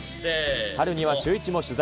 春にはシューイチも取材。